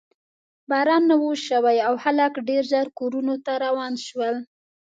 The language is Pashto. باران نه و شوی او خلک ډېر ژر کورونو ته روان شول.